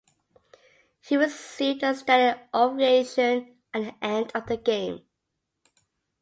He received a standing ovation at the end of the game.